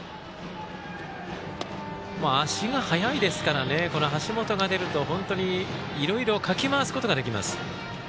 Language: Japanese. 足が速いですからね橋本が出ると本当にいろいろかき回すことができます。